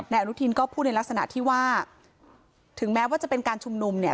อนุทินก็พูดในลักษณะที่ว่าถึงแม้ว่าจะเป็นการชุมนุมเนี่ย